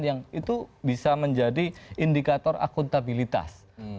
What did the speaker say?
yang itu bisa menjadi indikator akuntabilitas